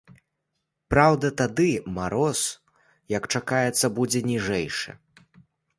Праўда, тады мароз, як чакаецца, будзе ніжэйшы.